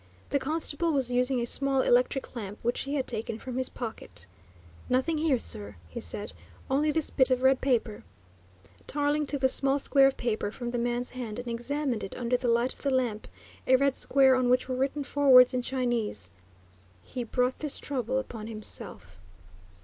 The constable was using a small electric lamp which he had taken from his pocket. "Nothing here, sir," he said. "Only this bit of red paper." Tarling took the small square of paper from the man's hand and examined it under the light of the lamp a red square on which were written four words in Chinese: "He brought this trouble upon himself."